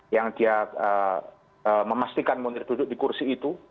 yang dia memastikan munir duduk di kursi itu